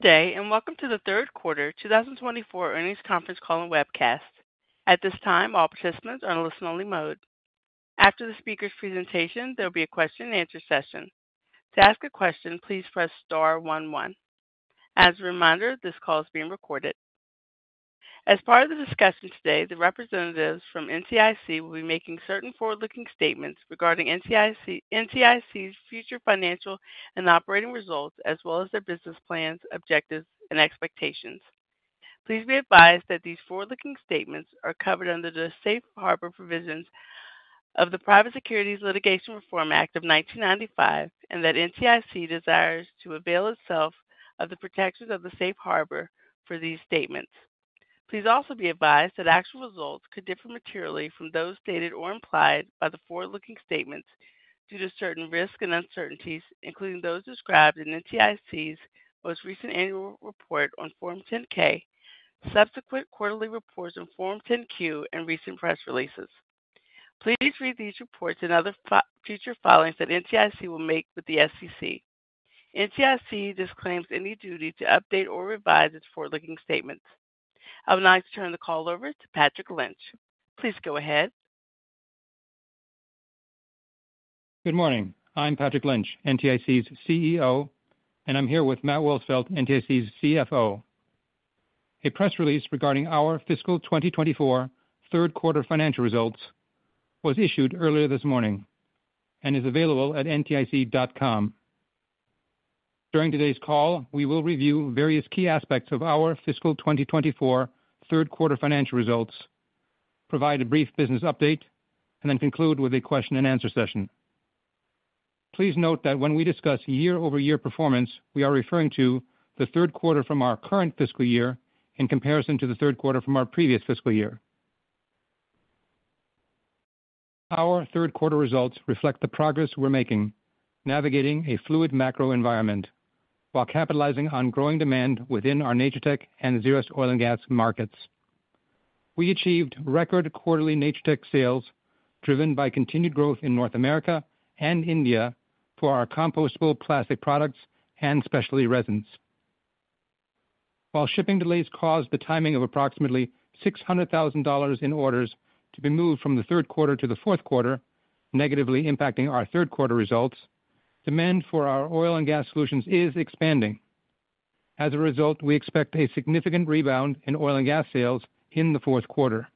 Today, and welcome to the third quarter 2024 earnings conference call and webcast. At this time, all participants are in listen-only mode. After the speaker's presentation, there will be a question-and-answer session. To ask a question, please press star one, one. As a reminder, this call is being recorded. As part of the discussion today, the representatives from NTIC will be making certain forward-looking statements regarding NTIC, NTIC's future financial and operating results, as well as their business plans, objectives, and expectations. Please be advised that these forward-looking statements are covered under the Safe Harbor Provisions of the Private Securities Litigation Reform Act of 1995, and that NTIC desires to avail itself of the protections of the Safe Harbor for these statements. Please also be advised that actual results could differ materially from those stated or implied by the forward-looking statements due to certain risks and uncertainties, including those described in NTIC's most recent annual report on Form 10-K, subsequent quarterly reports on Form 10-Q, and recent press releases. Please read these reports and other future filings that NTIC will make with the SEC. NTIC disclaims any duty to update or revise its forward-looking statements. I would now like to turn the call over to Patrick Lynch. Please go ahead. Good morning. I'm Patrick Lynch, NTIC's CEO, and I'm here with Matthew Wolsfeld, NTIC's CFO. A press release regarding our fiscal 2024 third quarter financial results was issued earlier this morning and is available at ntic.com. During today's call, we will review various key aspects of our fiscal 2024 third quarter financial results, provide a brief business update, and then conclude with a question-and-answer session. Please note that when we discuss year-over-year performance, we are referring to the third quarter from our current fiscal year in comparison to the third quarter from our previous fiscal year. Our third quarter results reflect the progress we're making, navigating a fluid macro environment while capitalizing on growing demand within our Natur-Tec and Zerust Oil & Gas markets. We achieved record quarterly Natur-Tec sales, driven by continued growth in North America and India for our compostable plastic products and specialty resins. While shipping delays caused the timing of approximately $600,000 in orders to be moved from the third quarter to the fourth quarter, negatively impacting our third quarter results, demand for our oil and gas solutions is expanding. As a result, we expect a significant rebound in oil and gas sales in the fourth quarter.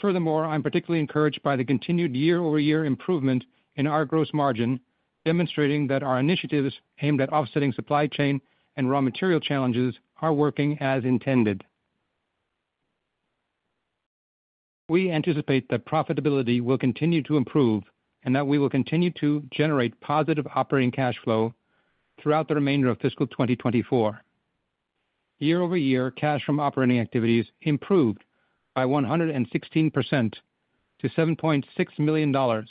Furthermore, I'm particularly encouraged by the continued year-over-year improvement in our gross margin, demonstrating that our initiatives aimed at offsetting supply chain and raw material challenges are working as intended. We anticipate that profitability will continue to improve and that we will continue to generate positive operating cash flow throughout the remainder of fiscal 2024. Year-over-year cash from operating activities improved by 116% to $7.6 million,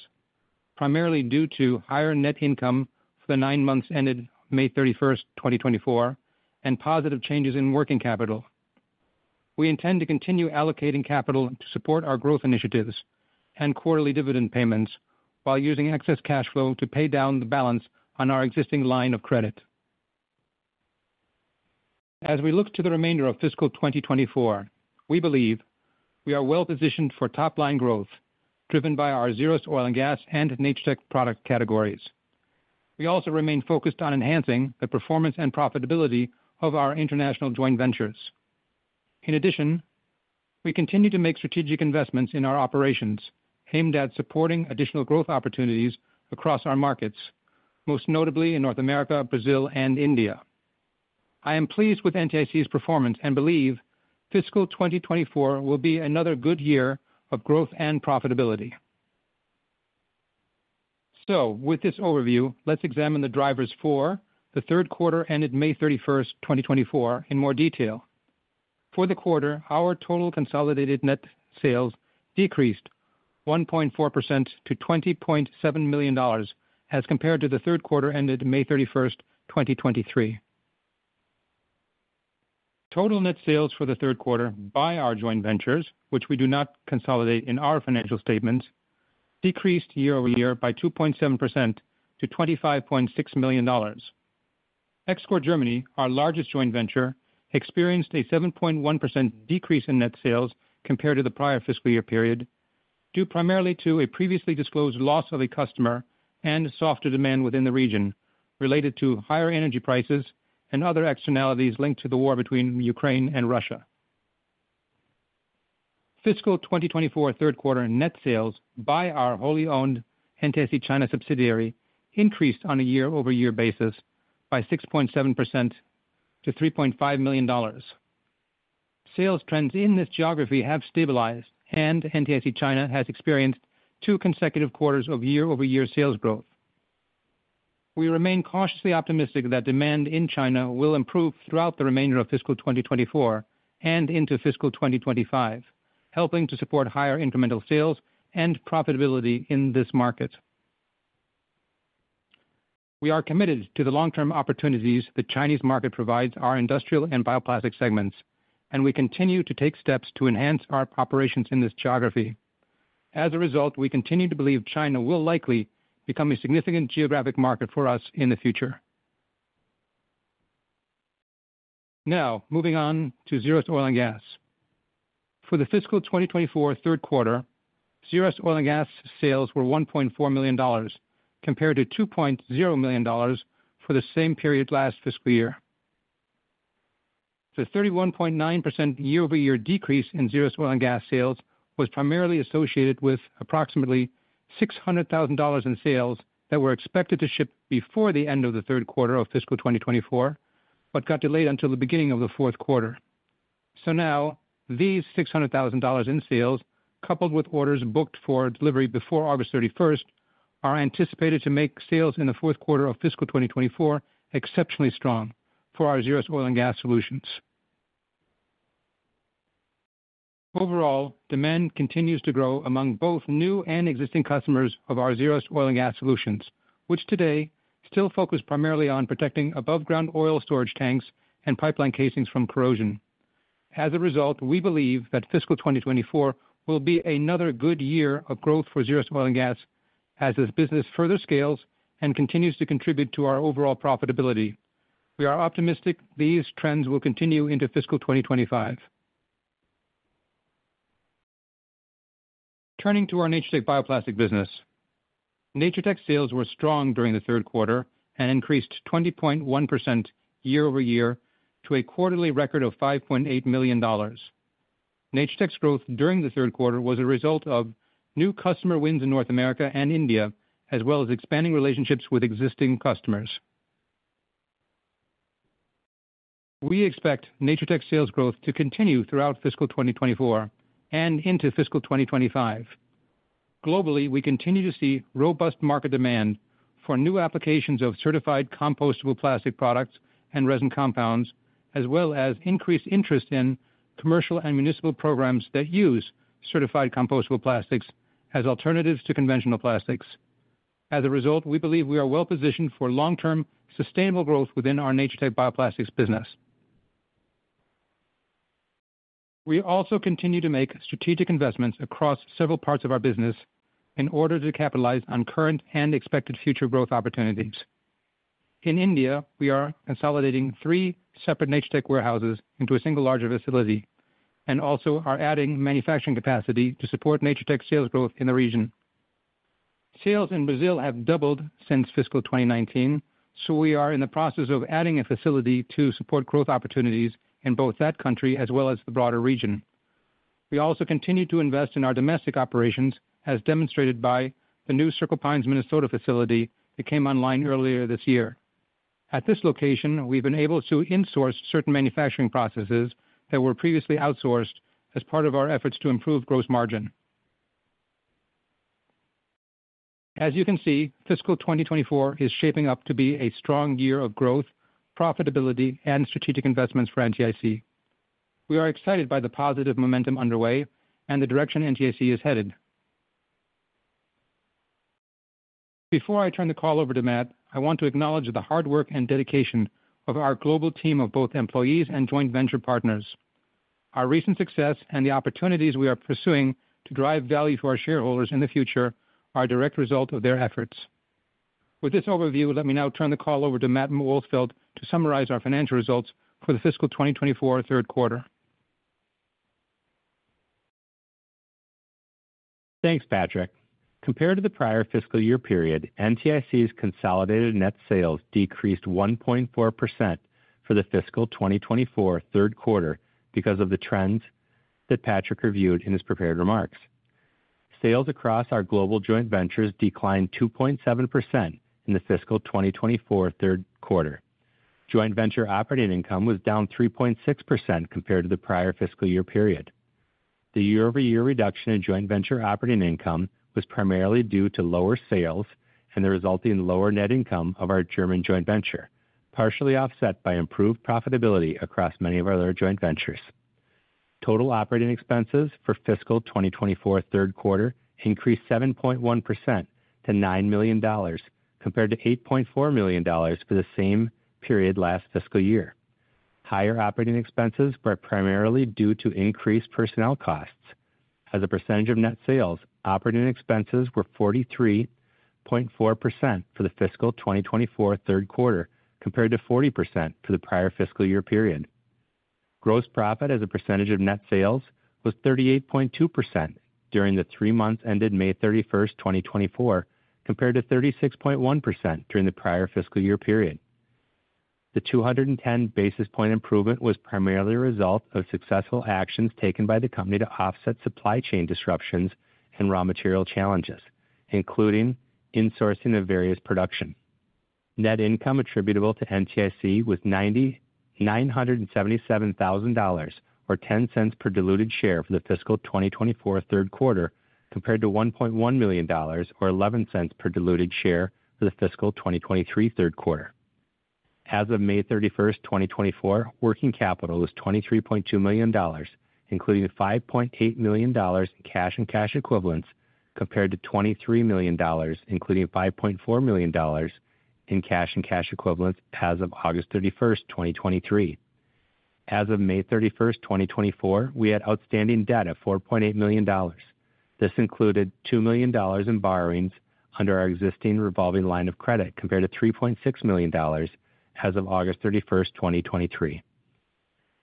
primarily due to higher net income for the nine months ended May 31, 2024, and positive changes in working capital. We intend to continue allocating capital to support our growth initiatives and quarterly dividend payments while using excess cash flow to pay down the balance on our existing line of credit. As we look to the remainder of fiscal 2024, we believe we are well positioned for top-line growth, driven by our Zerust Oil & Gas and Natur-Tec product categories. We also remain focused on enhancing the performance and profitability of our international joint ventures. In addition, we continue to make strategic investments in our operations aimed at supporting additional growth opportunities across our markets, most notably in North America, Brazil, and India. I am pleased with NTIC's performance and believe fiscal 2024 will be another good year of growth and profitability. So with this overview, let's examine the drivers for the third quarter, ended May 31, 2024, in more detail. For the quarter, our total consolidated net sales decreased 1.4% to $20.7 million as compared to the third quarter ended May 31, 2023. Total net sales for the third quarter by our joint ventures, which we do not consolidate in our financial statements, decreased year-over-year by 2.7% to $25.6 million. EXCOR Germany, our largest joint venture, experienced a 7.1% decrease in net sales compared to the prior fiscal year period, due primarily to a previously disclosed loss of a customer and softer demand within the region related to higher energy prices and other externalities linked to the war between Ukraine and Russia. Fiscal 2024 third quarter net sales by our wholly-owned NTIC China subsidiary increased on a year-over-year basis by 6.7% to $3.5 million. Sales trends in this geography have stabilized, and NTIC China has experienced two consecutive quarters of year-over-year sales growth. We remain cautiously optimistic that demand in China will improve throughout the remainder of fiscal 2024 and into fiscal 2025, helping to support higher incremental sales and profitability in this market. We are committed to the long-term opportunities the Chinese market provides our industrial and bioplastic segments, and we continue to take steps to enhance our operations in this geography. As a result, we continue to believe China will likely become a significant geographic market for us in the future. Now, moving on to Zerust Oil & Gas. For the fiscal 2024 third quarter, Zerust Oil & Gas sales were $1.4 million, compared to $2.0 million for the same period last fiscal year. The 31.9% year-over-year decrease in Zerust Oil & Gas sales was primarily associated with approximately $600,000 in sales that were expected to ship before the end of the third quarter of fiscal 2024, but got delayed until the beginning of the fourth quarter. So now, these $600,000 in sales, coupled with orders booked for delivery before August 31st, are anticipated to make sales in the fourth quarter of fiscal 2024 exceptionally strong for our Zerust Oil & Gas solutions. Overall, demand continues to grow among both new and existing customers of our Zerust Oil & Gas solutions, which today still focus primarily on protecting above-ground oil storage tanks and pipeline casings from corrosion. As a result, we believe that fiscal 2024 will be another good year of growth for Zerust Oil & Gas as this business further scales and continues to contribute to our overall profitability. We are optimistic these trends will continue into fiscal 2025. Turning to our Natur-Tec Bioplastic business. Natur-Tec sales were strong during the third quarter and increased 20.1% year-over-year to a quarterly record of $5.8 million. Natur-Tec's growth during the third quarter was a result of new customer wins in North America and India, as well as expanding relationships with existing customers. We expect Natur-Tec sales growth to continue throughout fiscal 2024 and into fiscal 2025. Globally, we continue to see robust market demand for new applications of certified compostable plastic products and resin compounds, as well as increased interest in commercial and municipal programs that use certified compostable plastics as alternatives to conventional plastics. As a result, we believe we are well-positioned for long-term, sustainable growth within our Natur-Tec Bioplastics business. We also continue to make strategic investments across several parts of our business in order to capitalize on current and expected future growth opportunities. In India, we are consolidating three separate Natur-Tec warehouses into a single larger facility and also are adding manufacturing capacity to support Natur-Tec sales growth in the region. Sales in Brazil have doubled since fiscal 2019, so we are in the process of adding a facility to support growth opportunities in both that country as well as the broader region. We also continue to invest in our domestic operations, as demonstrated by the new Circle Pines, Minnesota, facility that came online earlier this year. At this location, we've been able to insource certain manufacturing processes that were previously outsourced as part of our efforts to improve gross margin. As you can see, fiscal 2024 is shaping up to be a strong year of growth, profitability, and strategic investments for NTIC. We are excited by the positive momentum underway and the direction NTIC is headed. Before I turn the call over to Matt, I want to acknowledge the hard work and dedication of our global team of both employees and joint venture partners. Our recent success and the opportunities we are pursuing to drive value to our shareholders in the future are a direct result of their efforts. With this overview, let me now turn the call over to Matt Wolsfeld to summarize our financial results for the fiscal 2024 third quarter. Thanks, Patrick. Compared to the prior fiscal year period, NTIC's consolidated net sales decreased 1.4% for the fiscal 2024 third quarter because of the trends that Patrick reviewed in his prepared remarks. Sales across our global joint ventures declined 2.7% in the fiscal 2024 third quarter. Joint venture operating income was down 3.6% compared to the prior fiscal year period. The year-over-year reduction in joint venture operating income was primarily due to lower sales and the resulting lower net income of our German joint venture, partially offset by improved profitability across many of our other joint ventures. Total operating expenses for fiscal 2024 third quarter increased 7.1% to $9 million, compared to $8.4 million for the same period last fiscal year. Higher operating expenses were primarily due to increased personnel costs. As a percentage of net sales, operating expenses were 43.4% for the fiscal 2024 third quarter, compared to 40% for the prior fiscal year period. Gross profit as a percentage of net sales was 38.2% during the three months ended May 31, 2024, compared to 36.1% during the prior fiscal year period. The 210 basis point improvement was primarily a result of successful actions taken by the company to offset supply chain disruptions and raw material challenges, including insourcing of various production. Net income attributable to NTIC was $997,000, or $0.10 per diluted share for the fiscal 2024 third quarter, compared to $1.1 million, or $0.11 per diluted share for the fiscal 2023 third quarter. As of May 31st, 2024, working capital was $23.2 million, including $5.8 million in cash and cash equivalents, compared to $23 million, including $5.4 million in cash and cash equivalents as of August 31, 2023. As of May 31st, 2024, we had outstanding debt of $4.8 million. This included $2 million in borrowings under our existing revolving line of credit, compared to $3.6 million as of August 31st, 2023.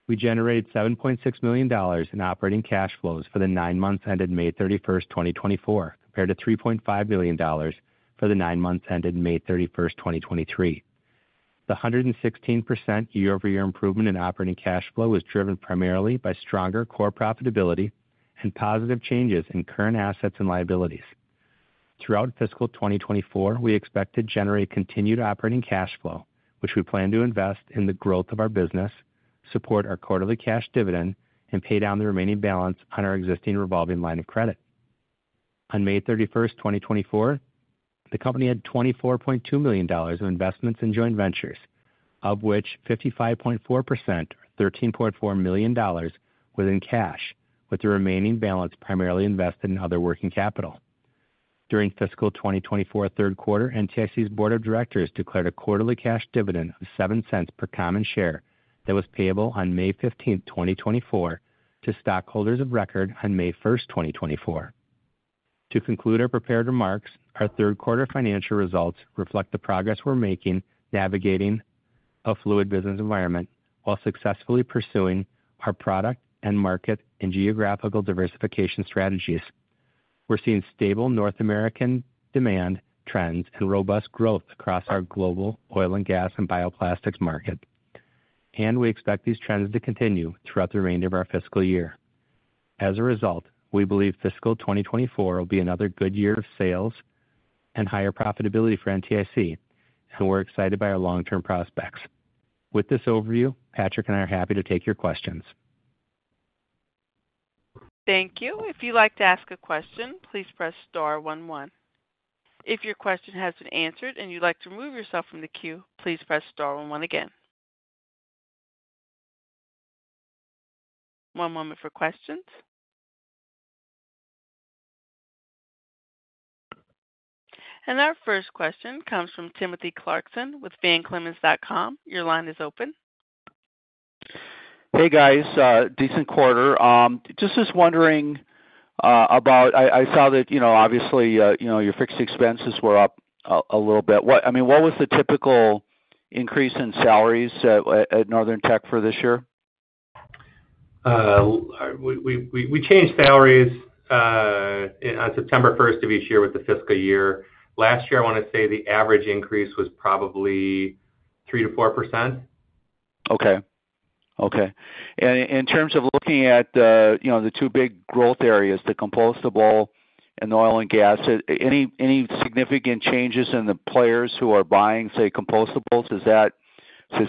We generated $7.6 million in operating cash flows for the nine months ended May 31st, 2024, compared to $3.5 million for the nine months ended May 31st, 2023. The 116% year-over-year improvement in operating cash flow was driven primarily by stronger core profitability and positive changes in current assets and liabilities. Throughout fiscal 2024, we expect to generate continued operating cash flow, which we plan to invest in the growth of our business, support our quarterly cash dividend, and pay down the remaining balance on our existing revolving line of credit. On May 31st, 2024, the company had $24.2 million of investments in joint ventures, of which 55.4%, or $13.4 million, was in cash, with the remaining balance primarily invested in other working capital. During fiscal 2024 third quarter, NTIC's board of directors declared a quarterly cash dividend of $0.07 per common share that was payable on May 15th, 2024, to stockholders of record on May 1st, 2024. To conclude our prepared remarks, our third quarter financial results reflect the progress we're making navigating a fluid business environment while successfully pursuing our product and market and geographical diversification strategies. We're seeing stable North American demand trends and robust growth across our global oil and gas and bioplastics market, and we expect these trends to continue throughout the remainder of our fiscal year. As a result, we believe fiscal 2024 will be another good year of sales and higher profitability for NTIC, and we're excited by our long-term prospects. With this overview, Patrick and I are happy to take your questions. Thank you. If you'd like to ask a question, please press star one, one. If your question has been answered and you'd like to remove yourself from the queue, please press star one one again. One moment for questions. And our first question comes from Timothy Clarkson with Van Clemens & Co. Your line is open. Hey, guys. Decent quarter. Just was wondering about... I saw that, you know, obviously, you know, your fixed expenses were up a little bit. What? I mean, what was the typical increase in salaries at Northern Technologies for this year? We changed salaries on September first of each year with the fiscal year. Last year, I wanna say the average increase was probably 3%-4%. Okay. Okay. In terms of looking at the, you know, the two big growth areas, the compostable and the oil and gas, any significant changes in the players who are buying, say, compostables? Is that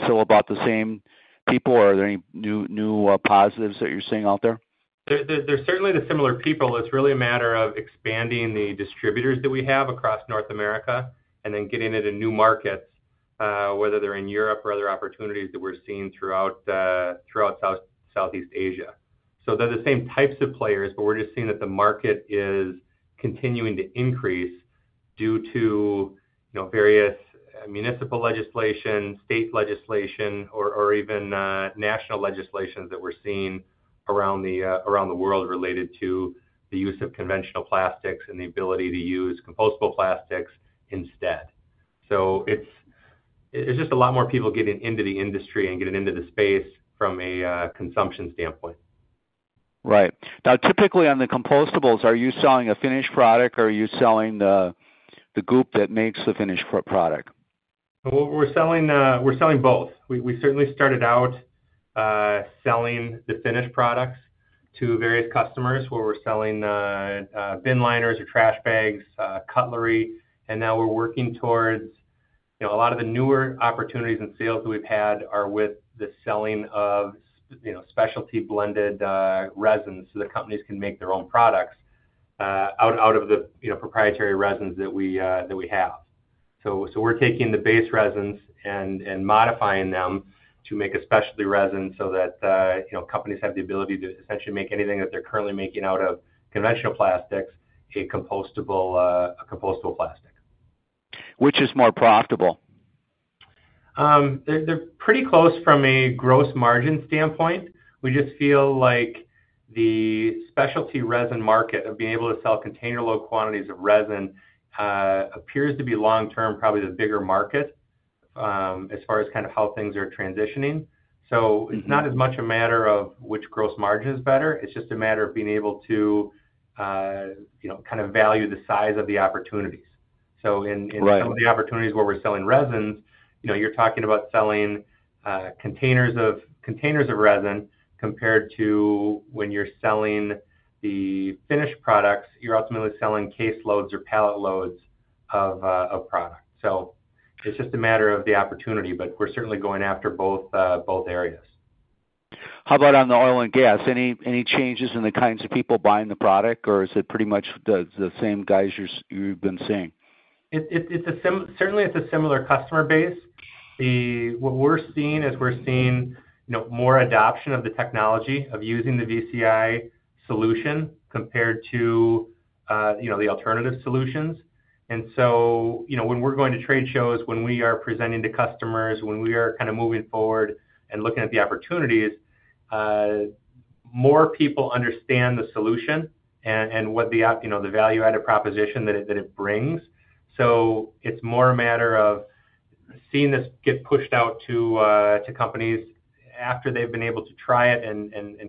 still about the same people, or are there any new positives that you're seeing out there? They're, they're, certainly the similar people. It's really a matter of expanding the distributors that we have across North America and then getting it in new markets, whether they're in Europe or other opportunities that we're seeing throughout, throughout Southeast Asia. So they're the same types of players, but we're just seeing that the market is continuing to increase due to, you know, various municipal legislation, state legislation, or even national legislations that we're seeing around the world related to the use of conventional plastics and the ability to use compostable plastics instead. So it's just a lot more people getting into the industry and getting into the space from a consumption standpoint. Right. Now, typically, on the compostables, are you selling a finished product, or are you selling the goop that makes the finished product? We're selling, we're selling both. We certainly started out selling the finished products to various customers, where we're selling bin liners or trash bags, cutlery, and now we're working towards... You know, a lot of the newer opportunities and sales that we've had are with the selling of, you know, specialty blended resins so that companies can make their own products out of the, you know, proprietary resins that we have. So we're taking the base resins and modifying them to make a specialty resin so that, you know, companies have the ability to essentially make anything that they're currently making out of conventional plastics, a compostable, a compostable plastic. Which is more profitable? They're pretty close from a gross margin standpoint. We just feel like the specialty resin market, of being able to sell container load quantities of resin, appears to be long-term, probably the bigger market, as far as kind of how things are transitioning. So it's not as much a matter of which gross margin is better, it's just a matter of being able to, you know, kind of value the size of the opportunities. So in- Right. Some of the opportunities where we're selling resins, you know, you're talking about selling containers of resin, compared to when you're selling the finished products, you're ultimately selling case loads or pallet loads of product. So it's just a matter of the opportunity, but we're certainly going after both areas. How about on the oil and gas? Any changes in the kinds of people buying the product, or is it pretty much the same guys you've been seeing? Certainly, it's a similar customer base. What we're seeing is, you know, more adoption of the technology, of using the VCI solution compared to, you know, the alternative solutions. And so, you know, when we're going to trade shows, when we are presenting to customers, when we are kind of moving forward and looking at the opportunities, more people understand the solution and kind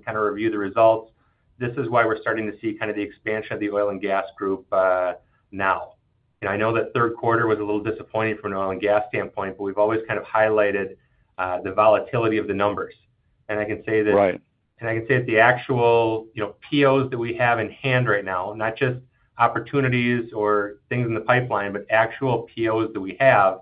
of review the results. This is why we're starting to see kind of the expansion of the oil and gas group now. I know that third quarter was a little disappointing from an oil and gas standpoint, but we've always kind of highlighted the volatility of the numbers. I can say that- Right. I can say that the actual, you know, POs that we have in hand right now, not just opportunities or things in the pipeline, but actual POs that we have,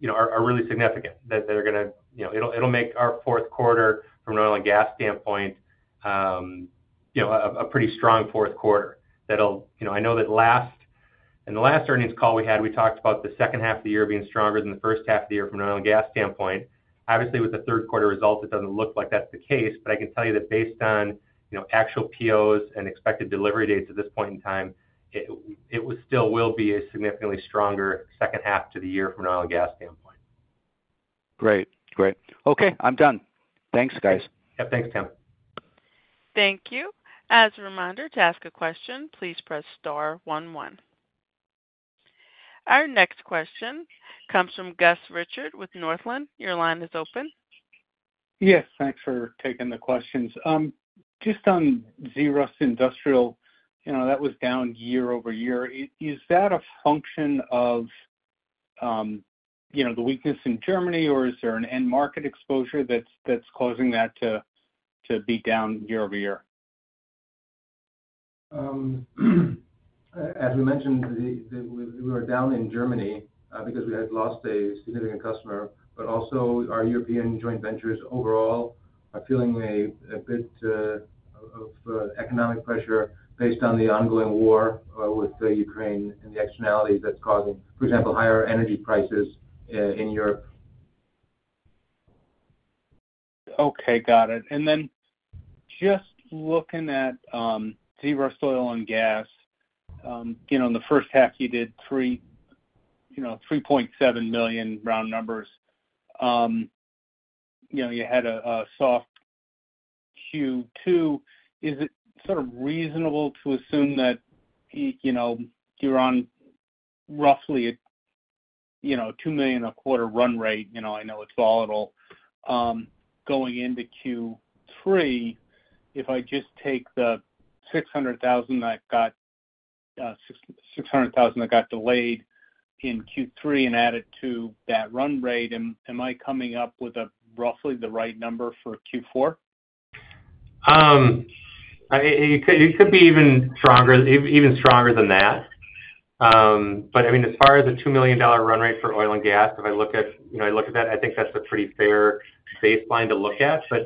you know, are really significant, that they're gonna, you know, it'll, it'll make our fourth quarter from an oil and gas standpoint, you know, a pretty strong fourth quarter. That'll. You know, I know that last, in the last earnings call we had, we talked about the second half of the year being stronger than the first half of the year from an oil and gas standpoint. Obviously, with the third quarter results, it doesn't look like that's the case, but I can tell you that based on, you know, actual POs and expected delivery dates at this point in time, it would still will be a significantly stronger second half to the year from an oil and gas standpoint. Great. Great. Okay, I'm done. Thanks, guys. Yeah. Thanks, Tim. Thank you. As a reminder, to ask a question, please press star one, one. Our next question comes from Gus Richard with Northland. Your line is open. Yes, thanks for taking the questions. Just on Zerust Industrial, you know, that was down year-over-year. Is that a function of, you know, the weakness in Germany, or is there an end-market exposure that's causing that to be down year-over-year? As we mentioned, we were down in Germany because we had lost a significant customer, but also our European joint ventures overall are feeling a bit of economic pressure based on the ongoing war with Ukraine and the externality that's causing, for example, higher energy prices in Europe. Okay, got it. And then just looking at Zerust Oil & Gas, you know, in the first half, you did $3.7 million round numbers. You know, you had a soft Q2. Is it sort of reasonable to assume that, you know, you're on roughly a $2 million a quarter run rate? You know, I know it's volatile. Going into Q3, if I just take the $600,000 that got delayed in Q3 and add it to that run rate, am I coming up with roughly the right number for Q4? It could, it could be even stronger, even stronger than that. But I mean, as far as the $2 million run rate for oil and gas, if I look at, you know, I look at that, I think that's a pretty fair baseline to look at. But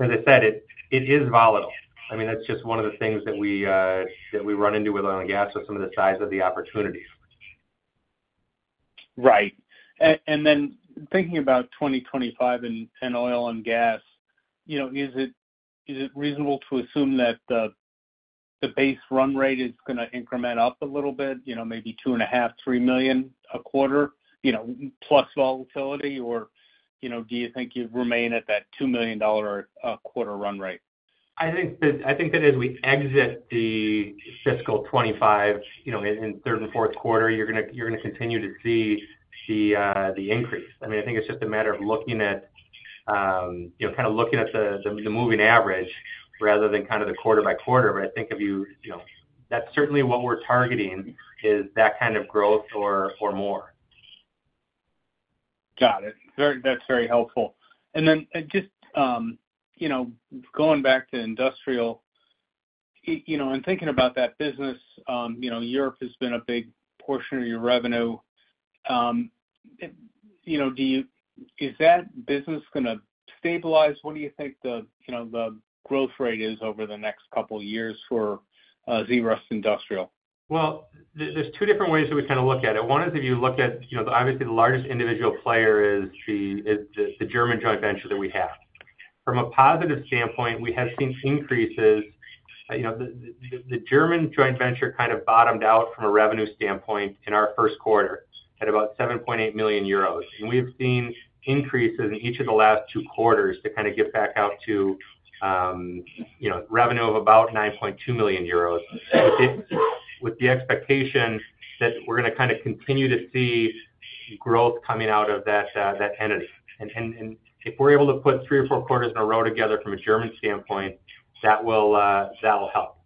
as I said, it, it is volatile. I mean, that's just one of the things that we, that we run into with oil and gas are some of the size of the opportunities. Right. And then thinking about 2025 and oil and gas, you know, is it reasonable to assume that the base run rate is gonna increment up a little bit, you know, maybe $2.5 million-$3 million a quarter, you know, plus volatility? Or, you know, do you think you'd remain at that $2 million quarter run rate? I think that, I think that as we exit the fiscal 2025, you know, in, in third and fourth quarter, you're gonna, you're gonna continue to see the, the increase. I mean, I think it's just a matter of looking at, you know, kind of looking at the, the moving average rather than kind of the quarter by quarter. But I think if you, you know, that's certainly what we're targeting, is that kind of growth or, or more. Got it. That's very helpful. And then, just, you know, going back to industrial, you know, and thinking about that business, you know, Europe has been a big portion of your revenue. You know, is that business gonna stabilize? What do you think the, you know, the growth rate is over the next couple of years for, Zerust Industrial? Well, there's two different ways that we kind of look at it. One is, if you look at, you know, obviously, the largest individual player is the German joint venture that we have. From a positive standpoint, we have seen increases. You know, the German joint venture kind of bottomed out from a revenue standpoint in our first quarter at about 7.8 million euros. And we've seen increases in each of the last two quarters to kind of get back out to, you know, revenue of about 9.2 million euros, with the expectation that we're gonna kind of continue to see growth coming out of that entity. And if we're able to put three or four quarters in a row together from a German standpoint, that will help.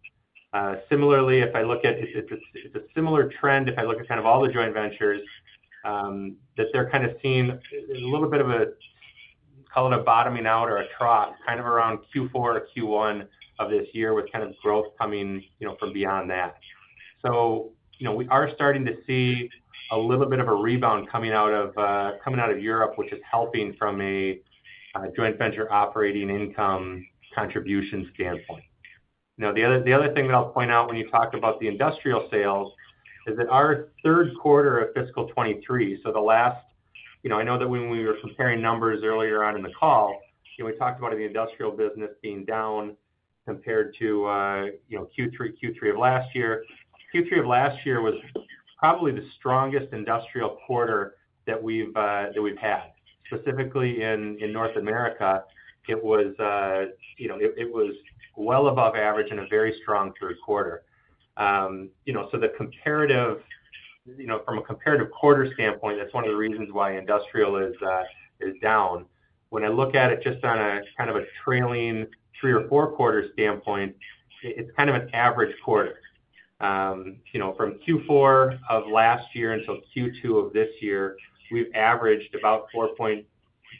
Similarly, if I look at, it's a similar trend, if I look at kind of all the joint ventures, that they're kind of seeing a little bit of a, call it a bottoming out or a trough, kind of around Q4 or Q1 of this year, with kind of growth coming, you know, from beyond that. So, you know, we are starting to see a little bit of a rebound coming out of, coming out of Europe, which is helping from a, joint venture operating income contribution standpoint. You know, the other thing that I'll point out when you talk about the industrial sales is that our third quarter of fiscal 2023, so the last... You know, I know that when we were comparing numbers earlier on in the call, and we talked about the industrial business being down compared to, you know, Q3 of last year. Q3 of last year was probably the strongest industrial quarter that we've had. Specifically in North America, it was, you know, it was well above average and a very strong third quarter. You know, so the comparative, you know, from a comparative quarter standpoint, that's one of the reasons why industrial is down. When I look at it just on a kind of a trailing three or four quarter standpoint, it's kind of an average quarter. You know, from Q4 of last year until Q2 of this year, we've averaged about $4.4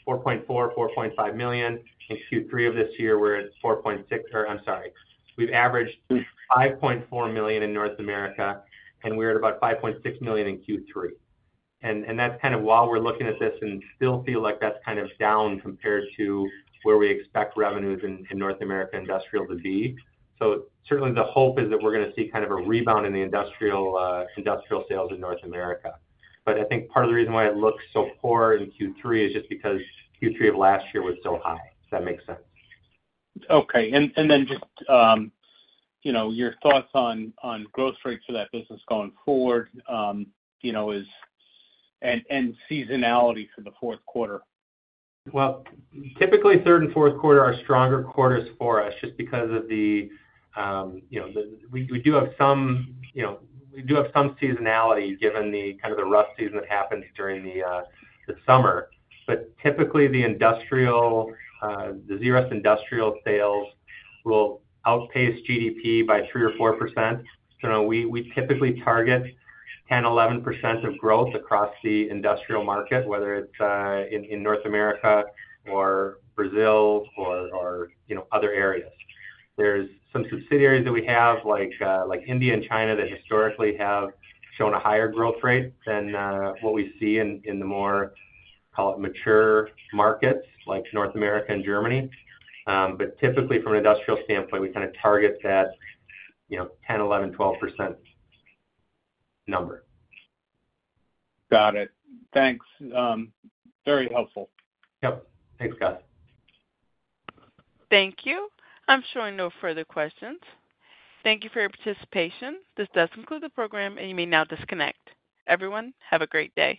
million-$4.5 million. In Q3 of this year, we're at 4.6, or I'm sorry, we've averaged $5.4 million in North America, and we're at about $5.6 million in Q3. And that's kind of while we're looking at this and still feel like that's kind of down compared to where we expect revenues in North America industrial to be. So certainly the hope is that we're gonna see kind of a rebound in the industrial, industrial sales in North America. But I think part of the reason why it looks so poor in Q3 is just because Q3 of last year was so high. Does that make sense? Okay. And then just, you know, your thoughts on growth rates for that business going forward, you know, and seasonality for the fourth quarter? Well, typically, third and fourth quarter are stronger quarters for us just because of the, you know, the, we do have some, you know, we do have some seasonality given the kind of the rough season that happens during the summer. But typically, the industrial, the Zerust Industrial sales will outpace GDP by 3%-4%. So we typically target 10%-11% of growth across the industrial market, whether it's in North America or Brazil or, you know, other areas. There's some subsidiaries that we have, like, like India and China, that historically have shown a higher growth rate than what we see in the more, call it, mature markets like North America and Germany. But typically from an industrial standpoint, we kinda target that, you know, 10%-12% number. Got it. Thanks. Very helpful. Yep. Thanks, Gus. Thank you. I'm showing no further questions. Thank you for your participation. This does conclude the program, and you may now disconnect. Everyone, have a great day.